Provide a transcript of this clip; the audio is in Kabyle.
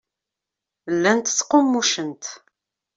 Llant ttqummucent.